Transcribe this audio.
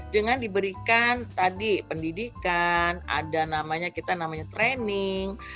dengan diberikan tadi pendidikan ada namanya kita namanya training